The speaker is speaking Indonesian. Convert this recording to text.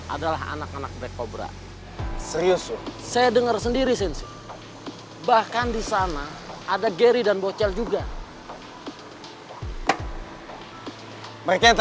adriana gimana baiknya aja deh tante